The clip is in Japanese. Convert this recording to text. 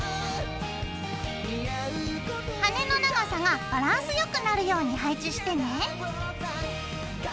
羽根の長さがバランスよくなるように配置してね。